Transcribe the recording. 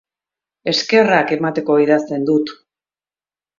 Eskerrak emateko idazten dut.